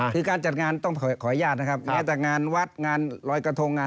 คือการจัดงานต้องขอยาธินะครับ